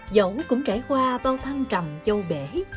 dẫu cũng trải qua bao thăng trầm dâu bể